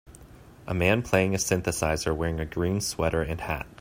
A man playing a synthesizer wearing a green sweater and hat.